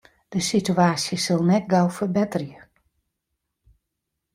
De sitewaasje sil net gau ferbetterje.